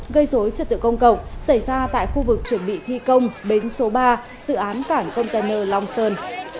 gây dối trật tự công cộng xảy ra tại khu vực chuẩn bị thi công bến số ba dự án cảng container long sơn